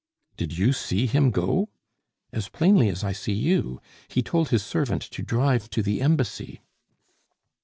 "Did you see him go?" "As plainly as I see you. He told his servant to drive to the Embassy."